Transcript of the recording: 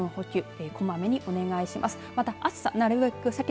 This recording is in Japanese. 水分補給こまめにお願いします。